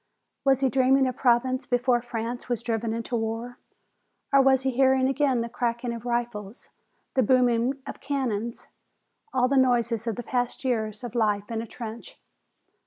Was he dreaming of Provence before France was driven into war? Or was he hearing again the cracking of rifles, the booming of cannon, all the noises of the past year of life in a trench?